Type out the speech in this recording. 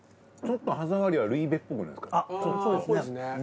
ちょっと歯ざわりはルイベっぽくないですか？